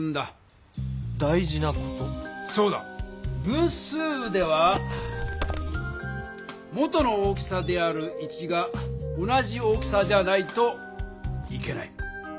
分数では元の大きさである１が同じ大きさじゃないといけない。